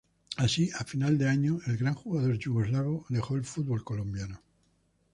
Así, a final de año el gran jugador yugoslavo dejó el fútbol colombiano.